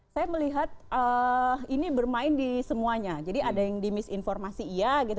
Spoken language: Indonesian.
saya melihat ini bermain di semuanya jadi ada yang di misinformasi iya gitu